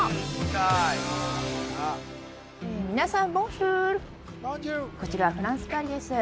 皆さんこちらはフランスパリです